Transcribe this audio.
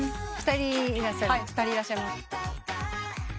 ２人いらっしゃいます。